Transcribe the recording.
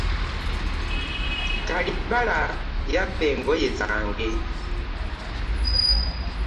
Kalibala yabba engoye zange.